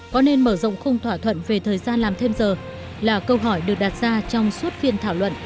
có nên mở rộng khung thỏa thuận về thời gian làm thêm giờ là câu hỏi được đặt ra trong suốt phiên thảo luận